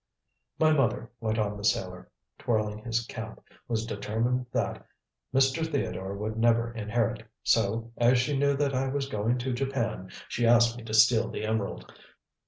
"My mother," went on the sailor, twirling his cap, "was determined that Mr. Theodore would never inherit, so, as she knew that I was going to Japan, she asked me to steal the emerald."